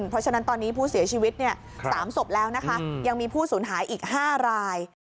เพราะฉะนั้นตอนนี้ผู้เสียชีวิต๓ศพแล้วนะคะยังมีผู้สูญหายอีก๕ราย